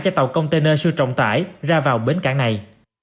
cho tàu container siêu trọng tải ra vào bến cảng này